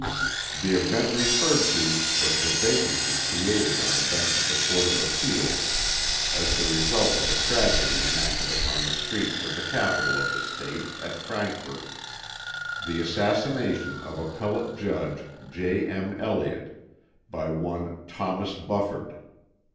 The event referred to was the vacancy created on the bench of the Court of Appeals as the result of a tragedy enacted upon the streets of the capital of the State, at Frankfort, the assassination of Appellate Judge J. M. Elliott, by one Thomas Bufford.